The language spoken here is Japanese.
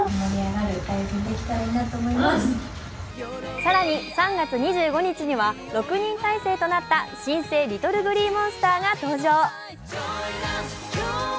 更に３月２５日には６人体制となった新生ＬｉｔｔｌｅＧｌｅｅＭｏｎｓｔｅｒが登場。